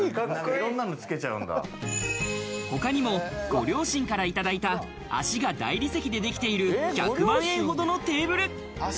他にもご両親からいただいた、脚が大理石でできている１００万円ほどのテーブル。